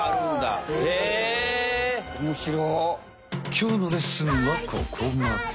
きょうのレッスンはここまで。